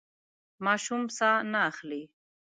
ماشوم ساه نه اخلي.